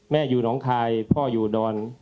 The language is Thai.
แม่อยู่น้องทายพ่ออยู่อุดร